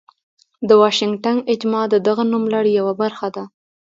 د واشنګټن اجماع د دغه نوملړ یوه برخه ده.